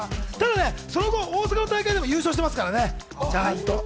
その後、大阪の大会でもちゃんと優勝してますからね。